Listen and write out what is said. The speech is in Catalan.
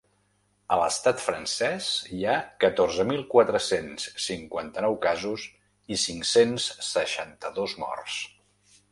A l’estat francès hi ha catorze mil quatre-cents cinquanta-nou casos i cinc-cents seixanta-dos morts.